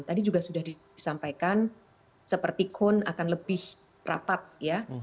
tadi juga sudah disampaikan seperti kun akan lebih rapat ya